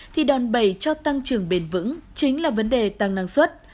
thì đòn bẩy cho tăng trưởng bền vững chính là vấn đề tăng năng suất